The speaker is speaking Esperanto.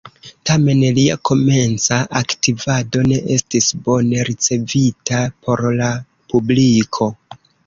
Tamen lia komenca aktivado ne estis bone ricevita por la publiko.